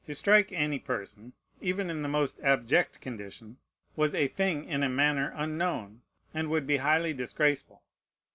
To strike any person, even in the most abject condition, was a thing in a manner unknown, and would be highly disgraceful.